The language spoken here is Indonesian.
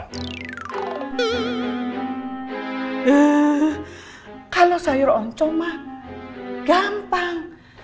eh kalau sayur oncom mah gampang